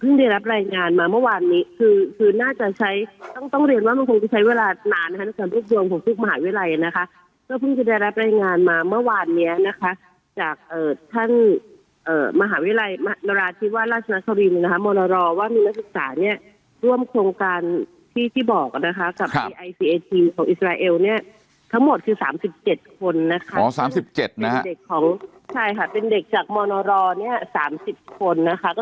พึ่งได้รับรายงานมาเมื่อวานนี้คือคือน่าจะใช้ต้องต้องเรียนว่ามันคงจะใช้เวลานานนะคะในสถานทูตดวงของทุกมหาวิทยาลัยนะคะก็พึ่งจะได้รับรายงานมาเมื่อวานเนี้ยนะคะจากเอ่อท่านเอ่อมหาวิทยาลัยนราชิวราชนครีมนะคะมรรลว์ว่ามีนักศึกษาเนี้ยร่วมโครงการที่ที่บอกนะคะกับของอิสราเอลเนี้ยทั้งหมดคือสามสิบเจ็